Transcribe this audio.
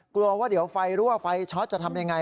กลัวว่าเดี๋ยวไฟรั่วไฟช็อตจะทำยังไง